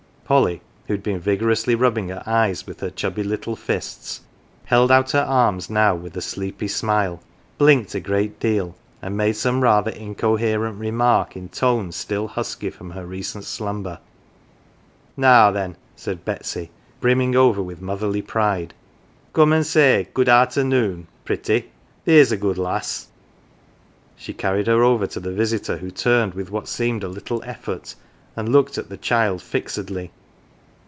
Polly, who had been vigorously rubbing her eyes with her chubby little fists, held out her arms now with a sleepy smile, blinked a great deal, and made some rather incoherent remark in tones still husky from her recent slumber. "Now, then, 11 said Betsy, brimming over with motherly pride, " come an 1 say ' Good arternoon, 1 pretty theer's a good little lass." She carried her over to the visitor who turned with what seemed a little effort and looked at the child fixedly.